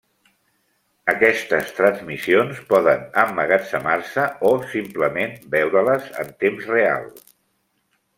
Aquestes transmissions poden emmagatzemar-se o simplement veure-les en temps real.